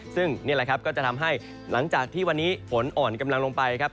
ซึ่งนี่แหละครับก็จะทำให้หลังจากที่วันนี้ฝนอ่อนกำลังลงไปครับ